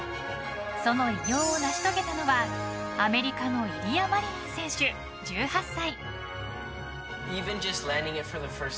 その偉業を成し遂げたのはアメリカのイリア・マリニン選手１８歳。